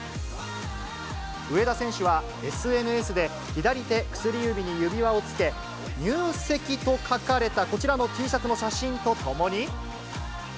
上田選手は、ＳＮＳで左手薬指に指輪をつけ、入籍と書かれたこちらのＴシャツの写真とともに。